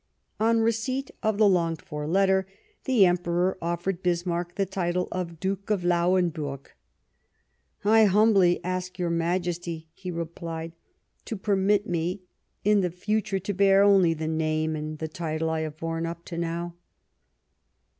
On receipt of the longed for letter, the Emperor offered Bismarck the title of Duke of Lauenburg. " I humbly ask j'^our Majesty," he replied, " to permit me in the future to bear only the name and the title I have borne up to now."